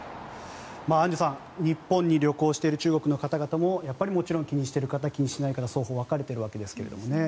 アンジュさん日本に旅行している中国の方々もやっぱりもちろん気にしている方、気にしない方双方分かれているわけですがね。